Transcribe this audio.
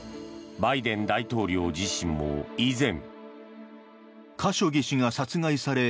バイデン大統領自身も以前。